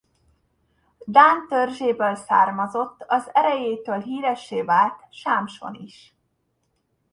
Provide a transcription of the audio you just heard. Dán törzséből származott az erejéről híressé vált Sámson is.